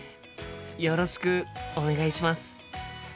よろしくお願いします。